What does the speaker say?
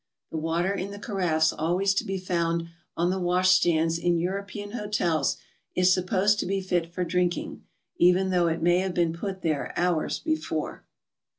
The water in the carafes always to be found on the wash stands in Euro pean hotels is supposed to be fit for drinking, even though it may have been put there hours before.